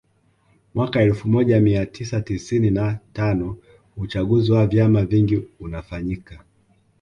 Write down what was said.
Mwaka elfu moja mia tisa tisini na tano Uchaguzi wa vyama vingi unafanyika